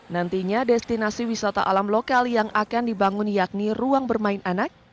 nantinya destinasi wisata alam lokal yang akan dibangun yakni ruang bermain anak